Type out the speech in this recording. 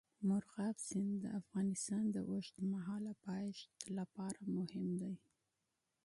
مورغاب سیند د افغانستان د اوږدمهاله پایښت لپاره مهم دی.